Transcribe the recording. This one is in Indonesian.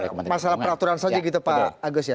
jadi ini memang masalah peraturan saja gitu pak agus ya